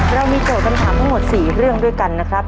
เรามีโจทย์คำถามทั้งหมด๔เรื่องด้วยกันนะครับ